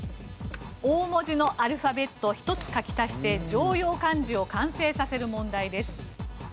大文字のアルファベットを１つ書き足して常用漢字を完成させる問題です。